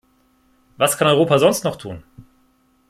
Was kann Europa sonst noch tun?